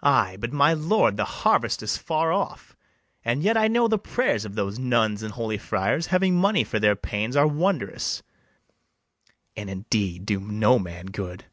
BARABAS. Ay, but, my lord, the harvest is far off: And yet I know the prayers of those nuns And holy friars, having money for their pains, Are wondrous; and indeed do no man good; [Aside.